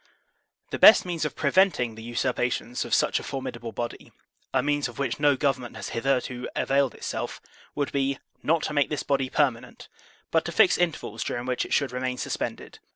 The best means of preventing the usurpations of such a formidable body, a means of which no government has hitherto availed itself, would be, not to make this body permanent, but to fix intervals during which it should remain suspended.